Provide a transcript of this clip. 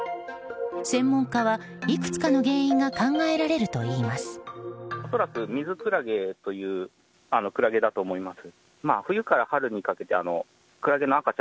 専門家はいくつかの原因が考えられるといいます。